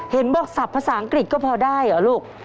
เห็นบอกศัพท์ภาษาอังกฤษก็พอได้เหรอลูก